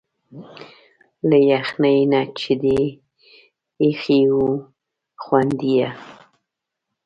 له يخني نه چي دي ا يښي وو ځونډ يه